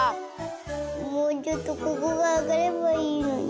もうちょっとここがあがればいいのに。